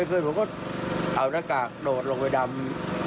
ผมก็เอานักกากโดดลงไปดำ